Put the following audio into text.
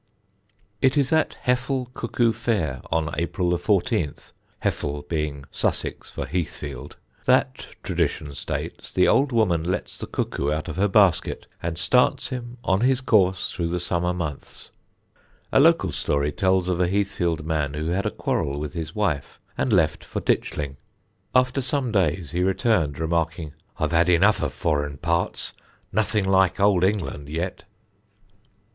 [Sidenote: HEFFUL CUCKOO FAIR] It is at Hefful Cuckoo fair on April 14 Hefful being Sussex for Heathfield that, tradition states, the old woman lets the cuckoo out of her basket and starts him on his course through the summer months. A local story tells of a Heathfield man who had a quarrel with his wife and left for Ditchling. After some days he returned, remarking, "I've had enough of furrin parts nothing like old England yet."